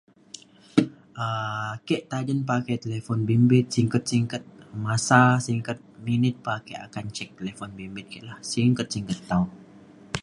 um ake tajen pakai telifun bimbit singket singket masa singket minit pe ake akan cek telifun bimbit ek la singket singket tau